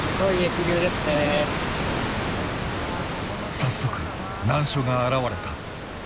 早速難所が現れた。